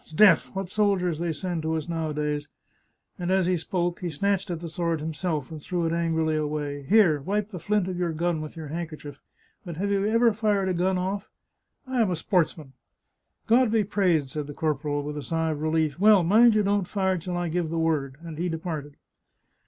'Sdeath, what soldiers they send us nowadays !" And as he spoke he snatched at the sword himself and threw it angrily away. " Here, wipe the flint of your gun with your handkerchief. But have you ever fired a gun off ?"" I am a sportsman." " God be praised !" said the corporal, with a sigh of relief. " Well, mind you don't fire till I give the word," and he departed.